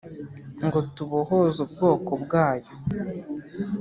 ngo tubohoze ubwoko bwayo